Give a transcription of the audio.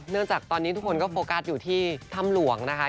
เนื่องจากตอนนี้ทุกคนก็โฟกัตรในทำหลวงนะคะ